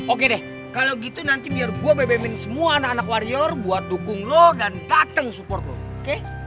oke deh kalau gitu nanti biar gue bebemin semua anak anak warrior buat dukung lo dan dateng support lo oke